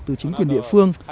từ chính quyền địa phương